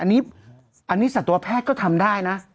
อันนี้สัตวแพทย์ก็ทำได้นะ